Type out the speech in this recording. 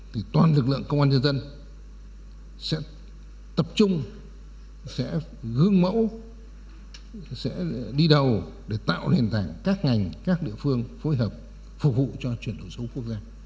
thì toàn lực lượng công an nhân dân sẽ tập trung sẽ gương mẫu sẽ đi đầu để tạo hình thành các ngành các địa phương phối hợp phục vụ cho chuyển đổi số quốc gia